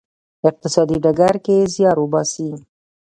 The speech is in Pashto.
اقتصادي ډګر کې زیار وباسی.